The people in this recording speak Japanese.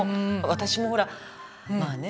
私もほらまあね